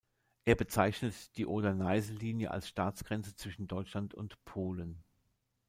Er bezeichnet die Oder-Neiße-Linie als „Staatsgrenze zwischen Deutschland und Polen“.